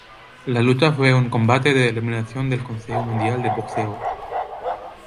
La lucha fue un combate de eliminación del Consejo Mundial de Boxeo.